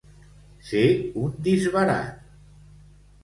Ser un disbarat.